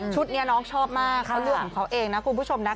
นี้น้องชอบมากเขาเลือกของเขาเองนะคุณผู้ชมนะ